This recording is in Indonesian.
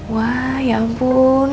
wah ya ampun